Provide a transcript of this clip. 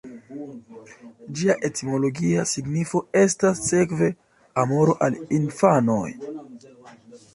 Ĝia etimologia signifo estas sekve 'amoro al infanoj'.